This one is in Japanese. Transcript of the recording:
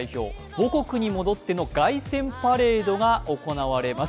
母国に戻っての凱旋パレードが行われます。